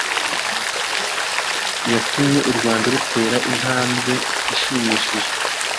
yatumye u rwanda rutera intambwe ishimishije